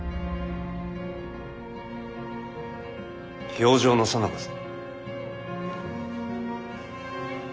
評定のさなかぞ。